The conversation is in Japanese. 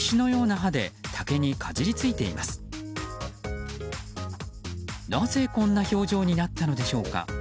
なぜこんな表情になったのでしょうか。